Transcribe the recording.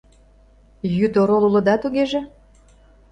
Йӱд орол улыда тугеже?